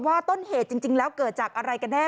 ต้นเหตุจริงแล้วเกิดจากอะไรกันแน่